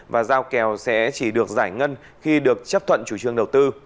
và giao kèo sẽ chỉ được giải ngân khi được chấp thuận chủ trương đầu tư